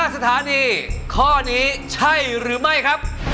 สถานีข้อนี้ใช่หรือไม่ครับ